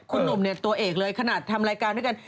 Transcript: คุณหนุ่มเนี่ยตัวเอกเลยขนาดทำรายการด้วยกัน